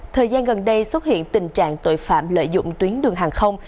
thời gian gần đây xuất hiện tình trạng tội phạm lợi dụng tuyến đường hàng không